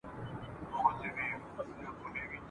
چي د هرات غم ځپلو اوسېدونکو ته ..